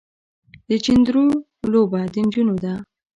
د چيندرو لوبه د نجونو ده.